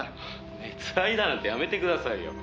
「熱愛だなんてやめてくださいよ」